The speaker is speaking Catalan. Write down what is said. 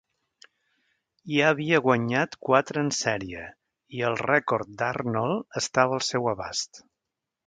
Ja havia guanyat quatre en sèrie, i el rècord d'Arnold, estava al seu abast.